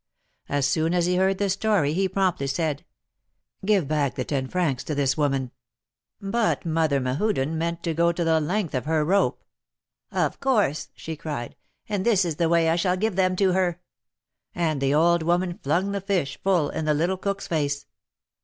As soon as he heard the story, he promptly said : Give back the ten francs to this woman." But Mother Mehuden meant to go the length of her rope. Of course," she cried, and this is the way I shall give them to her !" And the old woman flung the fish full in the little cook's face.